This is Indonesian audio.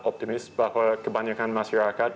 optimis bahwa kebanyakan masyarakat